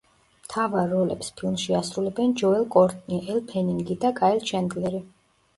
მთავარ როლებს ფილმში ასრულებენ ჯოელ კორტნი, ელ ფენინგი და კაილ ჩენდლერი.